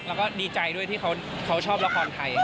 แล้วก็ดีใจด้วยที่เขาชอบละครไทย